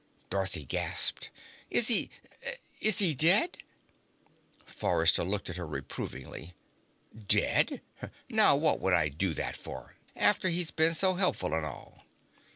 Dorothy gasped. "Is he is he dead?" Forrester looked at her reprovingly. "Dead? Now what would I do that for, after he's been so helpful and all?"